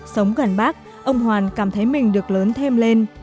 sống gần bác ông hoàn cảm thấy mình được lớn thêm lên